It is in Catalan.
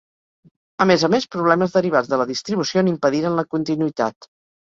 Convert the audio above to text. A més a més, problemes derivats de la distribució n'impediren la continuïtat.